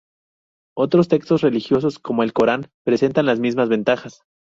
Otros textos religiosos como el Corán presentan las mismas ventajas.